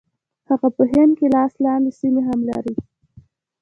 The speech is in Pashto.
هغه په هند کې لاس لاندې سیمې هم لري.